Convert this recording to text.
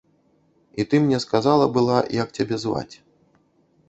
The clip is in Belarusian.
І ты мне сказала была, як цябе зваць.